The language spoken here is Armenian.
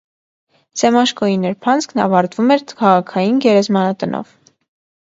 Սեմաշկոյի նրբանցքն ավարտվում էր քաղաքային գերեզմանատնով։